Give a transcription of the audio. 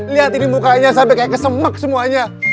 lihat ini mukanya sampe kayak kesemak semuanya